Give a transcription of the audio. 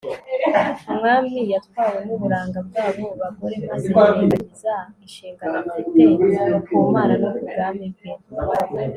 umwami yatwawe n'uburanga bw'abo bagore maze yirengagiza inshingano afite ku mana no ku bwami bwe